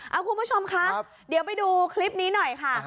เอาคุณผู้ชมคะเดี๋ยวไปดูคลิปนี้หน่อยค่ะ